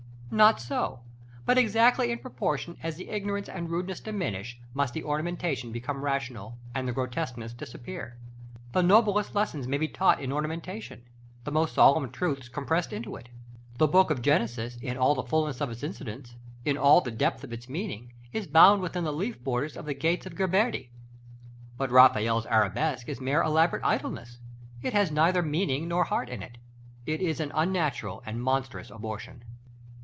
Not so; but exactly in proportion as the ignorance and rudeness diminish, must the ornamentation become rational, and the grotesqueness disappear. The noblest lessons may be taught in ornamentation, the most solemn truths compressed into it. The Book of Genesis, in all the fulness of its incidents, in all the depth of its meaning, is bound within the leaf borders of the gates of Ghiberti. But Raphael's arabesque is mere elaborate idleness. It has neither meaning nor heart in it; it is an unnatural and monstrous abortion.